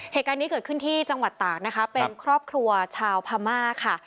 เหตุการณ์นี้เกิดขึ้นที่จังหวัดตากนะคะเป็นครอบครัวชาวพม่าค่ะ